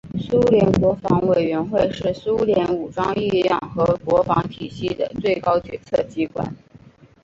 苏联国防委员会是苏联武装力量和国防体系的最高决策机关。